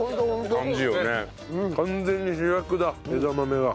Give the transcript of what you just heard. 完全に主役だ枝豆が。